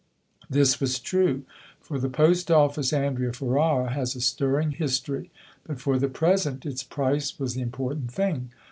This was true, for the post office Andrea Ferrara has a stirring history, but for the present its price was the important thing.